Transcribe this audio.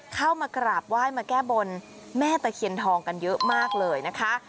เข้ามากราบไหว้มาแก้บนแม่ตะเคียนทองกันเยอะมากเลยนะคะ